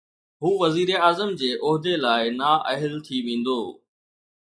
هو وزيراعظم جي عهدي لاءِ نااهل ٿي ويندو.